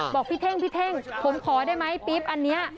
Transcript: บอกพี่เท่งผมขอได้ไหมให้ปี๊บอันนี้